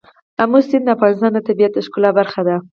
آمو سیند د افغانستان د طبیعت د ښکلا برخه ده.